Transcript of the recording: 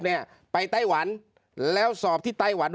เจ้าหน้าที่แรงงานของไต้หวันบอก